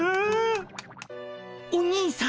お兄さん。